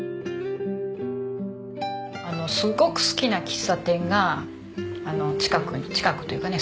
すごく好きな喫茶店が近くに近くというかね